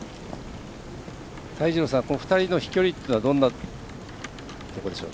泰二郎さん２人の飛距離というのはどんなところでしょう？